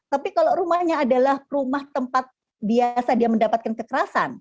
tapi kalau rumahnya adalah rumah tempat biasa dia mendapatkan kekerasan